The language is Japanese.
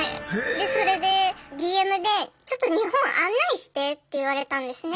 でそれでＤＭで「ちょっと日本案内して」って言われたんですね。